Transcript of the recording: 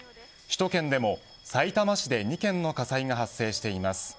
首都圏でもさいたま市で２件の火災が発生しています。